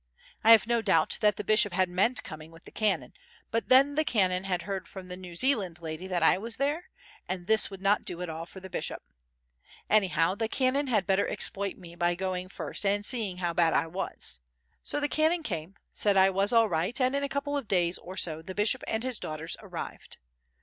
I have no doubt that the bishop had meant coming with the canon, but then the canon had heard from the New Zealand lady that I was there, and this would not do at all for the bishop. Anyhow the canon had better exploit me by going first and seeing how bad I was. So the canon came, said I was all right and in a couple of days or so the bishop and his daughters arrived.